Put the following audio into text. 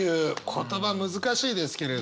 言葉難しいですけれど。